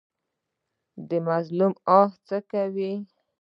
د مظلوم آه څه کوي؟